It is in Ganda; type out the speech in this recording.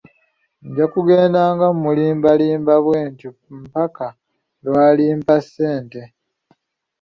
Nja kugenda nga mulimbalimba bwentyo mpaka lwalimpa ssente.